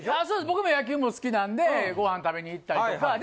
そう僕も野球も好きなんでご飯食べに行ったりとか。